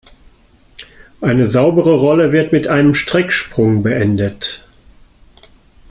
Eine saubere Rolle wird mit einem Strecksprung beendet.